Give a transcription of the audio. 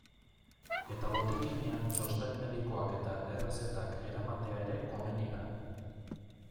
Eta botikinean txosten medikoak eta errezetak eramatea ere komeni da.